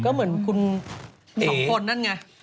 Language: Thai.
ก็เหมือนคุณสองคนนั่นไง